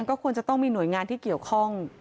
ก็ควรจะต้องมีหน่วยงานที่เกี่ยวข้อง